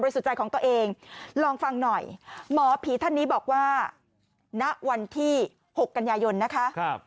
สุดใจของตัวเองลองฟังหน่อยหมอผีท่านนี้บอกว่าณวันที่๖กันยายนนะคะ